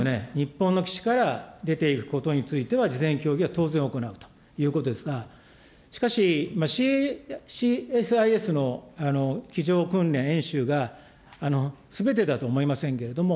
日本の基地から出ていくことについては、事前協議は当然行うということですが、しかし、ＣＳＩＳの机上訓練、演習が、すべてだと思いませんけれども、